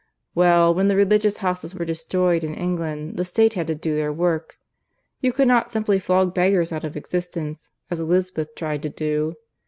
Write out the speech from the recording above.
Well, when the Religious Houses were destroyed in England the State had to do their work. You could not simply flog beggars out of existence, as Elizabeth tried to do.